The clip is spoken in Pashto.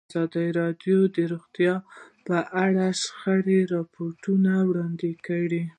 ازادي راډیو د روغتیا په اړه د شخړو راپورونه وړاندې کړي.